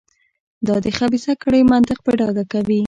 دا د خبیثه کړۍ منطق په ډاګه کوي.